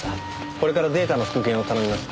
これからデータの復元を頼みます。